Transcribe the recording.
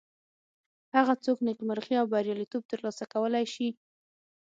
هغه څوک نیکمرغي او بریالیتوب تر لاسه کولی شي.